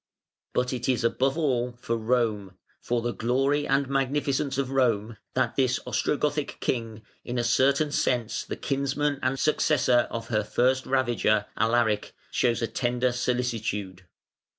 ] But it is above all for Rome, for the glory and magnificence of Rome, that this Ostrogothic king, in a certain sense the kinsman and successor of her first ravager, Alaric, shows a tender solicitude.